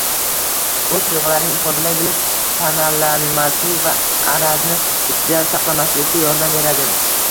O‘z tuyg‘ularini ifodalay bilish panalanmaslik va arazni ichda saqlamaslikka yordam beradi.